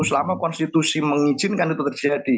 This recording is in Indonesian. selama konstitusi mengizinkan itu terjadi